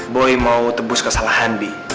boy mau tebus kesalahan b